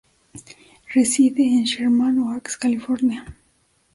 Reside en Sherman Oaks, California.